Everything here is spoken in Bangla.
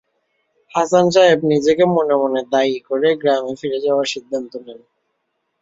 হাসান সাহেব নিজেকে মনে মনে দায়ী করে গ্রামে ফিরে যাওয়ার সিদ্ধান্ত নেন।